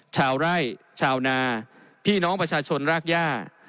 ชาวไร่ชาวนาพี่น้องประชาชนรากย่า